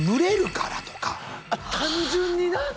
単純にな。